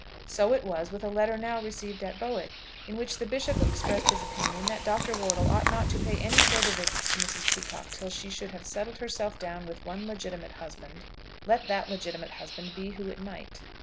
So it was with a letter now received at Bowick, in which the Bishop expressed his opinion that Dr. Wortle ought not to pay any further visits to Mrs. Peacocke till she should have settled herself down with one legitimate husband, let that legitimate husband be who it might.